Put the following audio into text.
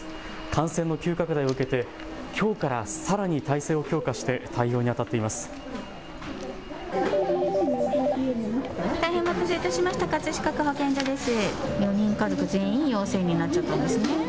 感染の急拡大を受けてきょうからさらに体制を強化して対応にあたっています。